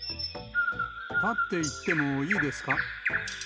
立って言ってもいいですか？